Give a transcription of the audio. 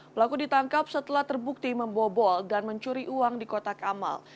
pelaku ditangkap setelah terbukti membobol dan mencuri uang di kotak amal